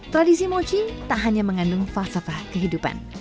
tradisi mochi tak hanya mengandung falsafah kehidupan